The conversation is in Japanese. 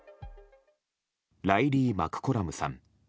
ライリー・マクコラムさん。